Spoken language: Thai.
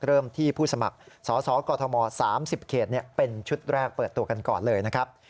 เริ่มที่ผู้สมัครสสกม๓๐เขตเป็นชุดแรกเปิดตัวกันก่อนเลยนะครับ